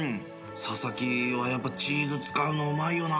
佐々木はやっぱチーズ使うのうまいよな。